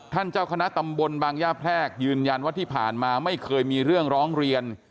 เจ้าคณะตำบลบางย่าแพรกยืนยันว่าที่ผ่านมาไม่เคยมีเรื่องร้องเรียน